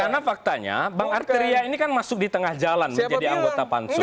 karena faktanya bang arteria ini kan masuk di tengah jalan menjadi anggota pansus